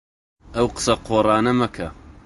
ئەو قسە قۆڕانە مەکە.